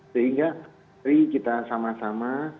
sehingga hari ini kita sama sama